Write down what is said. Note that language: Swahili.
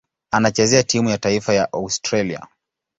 Anachezea timu ya taifa ya Australia.